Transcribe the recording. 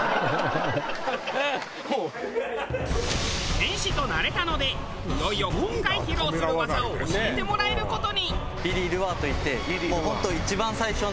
戦士となれたのでいよいよ今回披露する技を教えてもらえる事に。